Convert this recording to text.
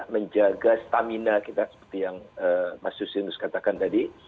menjaga stamina kita seperti yang mas justinus katakan tadi